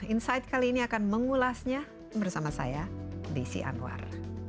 insight kali ini akan mengulasnya bersama saya desi anwar